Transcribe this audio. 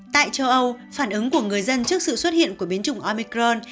tại châu âu phản ứng của người dân trước sự xuất hiện của biến chủng omicron